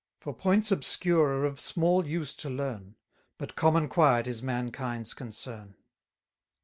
For points obscure are of small use to learn: But common quiet is mankind's concern.